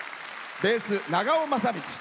ベース、長尾雅道。